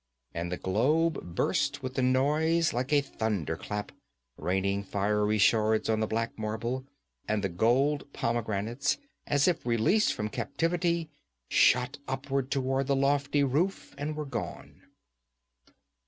And the globe burst with a noise like a thunderclap, raining fiery shards on the black marble, and the gold pomegranates, as if released from captivity, shot upward toward the lofty roof and were gone.